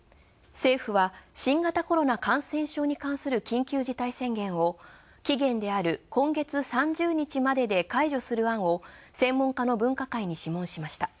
政府は、新型コロナ感染症に関する緊急事態宣言を期限である今月３０日まで解除する案を専門家の分科会に諮問しました。